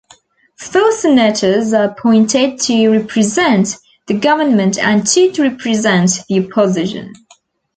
Four senators are appointed to represent the government and two to represent the opposition.